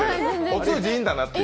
お通じいいんだなって。